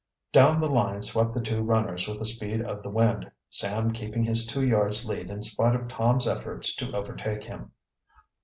Down the line swept the two runners with the speed of the wind, Sam keeping his two yards' lead in spite of Tom's efforts to overtake him.